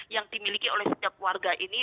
yang dimiliki oleh setiap warga ini